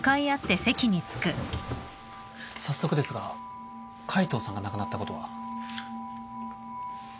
早速ですが海藤さんが亡くなったことは？